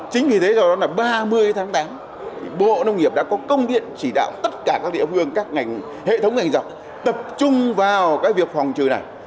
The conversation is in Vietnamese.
chính vì thế vào ba mươi tháng tám bộ nông nghiệp đã có công điện chỉ đạo tất cả các địa phương các hệ thống ngành dọc tập trung vào việc phòng trừ này